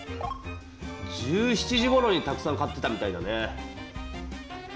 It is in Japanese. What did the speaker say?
１７時ごろにたくさん買ってたみたいだね。